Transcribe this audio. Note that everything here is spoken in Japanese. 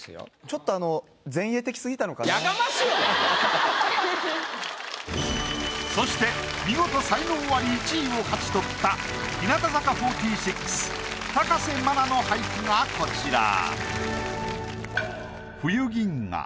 ちょっとあのそして見事才能アリ１位を勝ち取った日向坂４６高瀬愛奈の俳句がこちら。